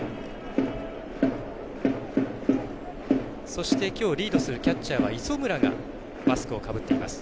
そして、きょうリードするキャッチャーは磯村がマスクをかぶっています。